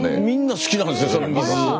みんな好きなんですね。